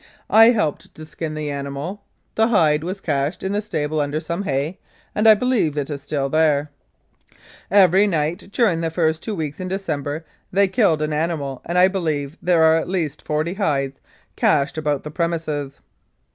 I helped to skin this animal. 292 Humours and Uncertainties of the Law The hide was cached in the stable under some hay, and I believe it is there still. Every night during the first two weeks in December they killed an animal, and I believe there are at least forty hides cached about the premises.'